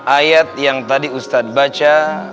ayat yang tadi ustadz baca